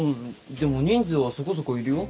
でも人数はそこそこいるよ。